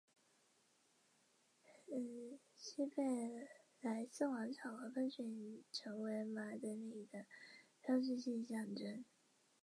他是昭乌达盟阿鲁科尔沁旗阿日本苏木台吉巴达玛旺其格的次子。